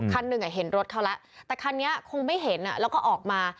คันหนึ่งเห็นรถเขาแล้วแต่คันนี้คงไม่เห็นแล้วก็ออกมา